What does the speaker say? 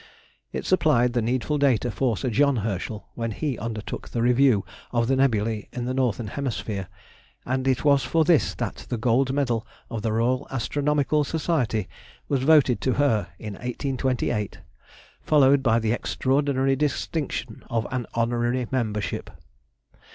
It supplied the needful data for Sir John Herschel when he undertook the review of the nebulæ of the northern hemisphere; and it was for this that the Gold Medal of the Royal Astronomical Society was voted to her in 1828, followed by the extraordinary distinction of an Honorary Membership.